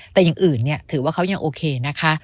แต่อย่างอื่นถือว่าเขายังโอเคนะคะ